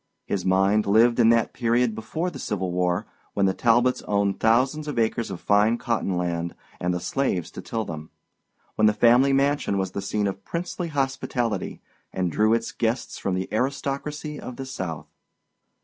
His mind lived in that period before the Civil War when the Talbots owned thousands of acres of fine cotton land and the slaves to till them; when the family mansion was the scene of princely hospitality, and drew its guests from the aristocracy of the South.